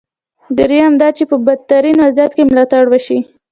درېیم دا چې په بدترین وضعیت کې ملاتړ وشي.